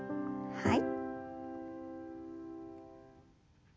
はい。